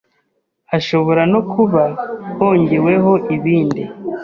hashobora no kuba hongewemo ibindi